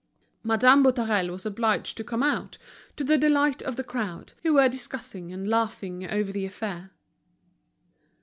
Madame Boutarel was obliged to come out, to the delight of the crowd, who were discussing and laughing over the affair.